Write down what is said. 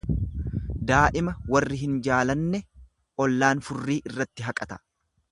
Daa'ima warri hin jaalanne ollaan furrii irratti haqata.